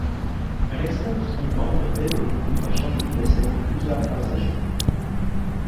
Un accident du train Londres-Liverpool va changer le destin de plusieurs passagers.